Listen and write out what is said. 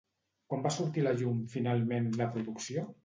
Quan va sortir a la llum, finalment, la producció?